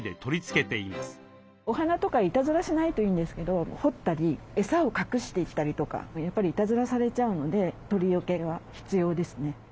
お花とかいたずらしないといいんですけど掘ったり餌を隠していったりとかやっぱりいたずらされちゃうので鳥よけは必要ですね。